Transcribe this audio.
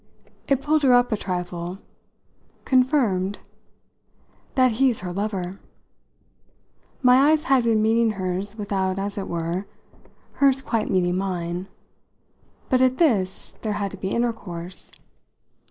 It pulled her up a trifle. "'Confirmed' ?" "That he's her lover." My eyes had been meeting hers without, as it were, hers quite meeting mine. But at this there had to be intercourse.